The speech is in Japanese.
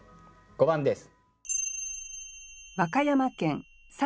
５番です。